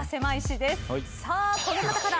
さあこの方から。